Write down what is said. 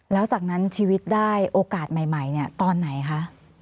แล้วจากนั้นชีวิตได้โอกาสใหม่เนี่ยตอนไหนคะ